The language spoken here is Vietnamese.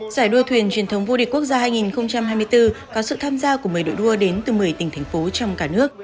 giải đua thuyền truyền thống vô địch quốc gia hai nghìn hai mươi bốn có sự tham gia của một mươi đội đua đến từ một mươi tỉnh thành phố trong cả nước